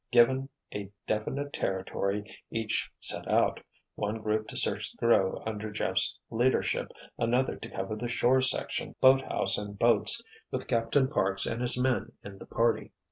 Given a definite territory, each set out, one group to search the grove under Jeff's leadership, another to cover the shore section, boathouse and boats, with Captain Parks and his men in the party.